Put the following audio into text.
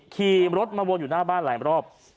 ขี่รถมาวนอยู่หน้าบ้านหลายรอบ